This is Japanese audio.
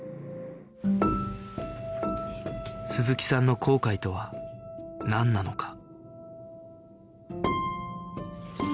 鈴木さんの後悔とはなんなのか？